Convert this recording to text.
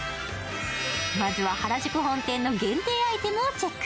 まずは原宿本店の限定アイテムをチェック。